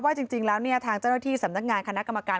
จริงแล้วทางเจ้าหน้าที่สำนักงานคณะกรรมการ